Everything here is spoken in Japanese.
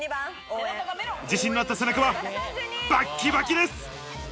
自信のあった背中はバキバキです。